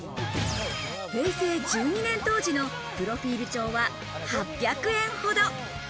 平成１２年当時のプロフィール帳は８００円ほど。